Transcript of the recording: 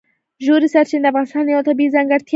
ژورې سرچینې د افغانستان یوه طبیعي ځانګړتیا ده.